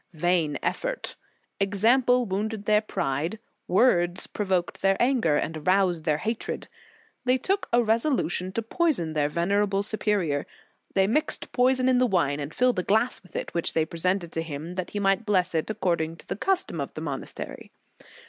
Vain effort! Example wounded their pride, words provoked their anger, and aroused their hatred. They took a resolution to poi son their venerable superior. They mixed poison in the wine, and filled a glass with it, which they presented to him, that he might bless it, according to the custom of the mo nastery.